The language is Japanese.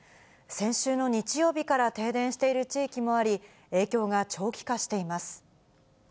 先週の日曜日から停電している地域もあり、影響が長期化しています。